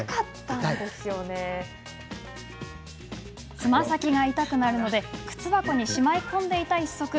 つま先が痛くなるので靴箱にしまい込んでいた１足。